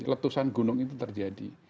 letusan gunung itu terjadi